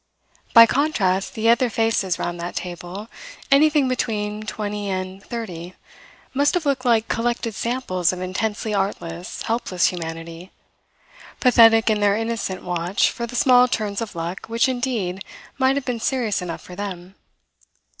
By contrast, the other faces round that table, anything between twenty and thirty, must have looked like collected samples of intensely artless, helpless humanity pathetic in their innocent watch for the small turns of luck which indeed might have been serious enough for them.